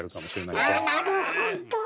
あなるほど！